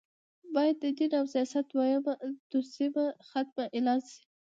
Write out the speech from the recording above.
باید دین او سیاست دوسیه ختمه اعلان شي